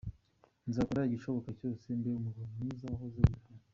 Nzakora igishoboka cyose mbe umugabo mwiza wahoze wifuza.